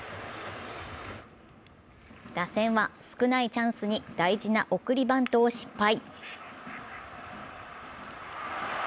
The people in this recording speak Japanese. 打線は、少ないチャンスに大事な送りバントを失敗。